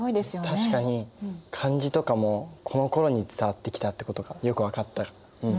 確かに漢字とかもこのころに伝わってきたってことがよく分かった。